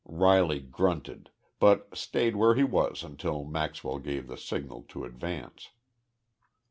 Riley grunted, but stayed where he was until Maxwell gave the signal to advance.